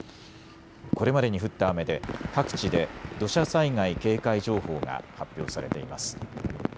これまでに降った雨で各地で土砂災害警戒情報が発表されています。